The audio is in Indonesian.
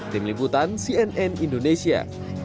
tim liputan cnn indonesia